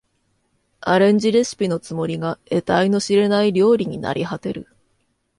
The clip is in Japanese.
アレンジレシピのつもりが得体の知れない料理になりはてる